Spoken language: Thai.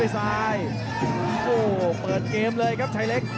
สู้เลยครับ